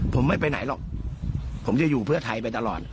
ผมไม่ไปไหนหรอกผมจะอยู่เพื่อไทยไปตลอด